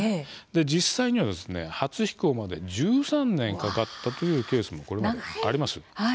実際には初飛行まで１３年かかったというケースはこれまであります。